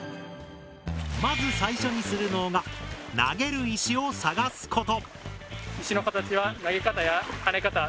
まず最初にするのが投げる石を探すこと。